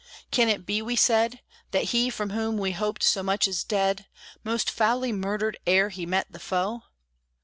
"Can it be?" we said, "That he from whom we hoped so much, is dead, Most foully murdered ere he met the foe?"